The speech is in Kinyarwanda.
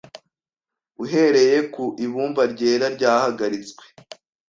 uhereye ku ibumba ryera ryahagaritswe